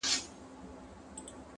زه خو پر ځان خپله سایه ستایمه,